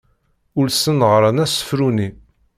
Ulsen ɣran asefru-nni.